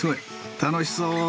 楽しそう。